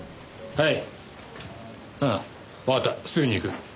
はい。